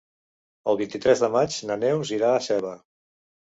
El vint-i-tres de maig na Neus irà a Seva.